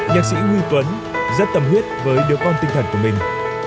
nhạc sĩ huy tuấn rất tầm huyết với điều con tinh thần của mình